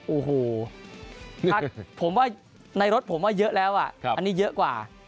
โอ้โหพักผมว่าในรถผมว่าเยอะแล้วอ่ะอันนี้เยอะกว่า